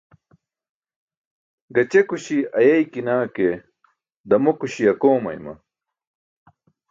Gaćekuśi ayeykinaa ke, ḍamokuśi akoomayma.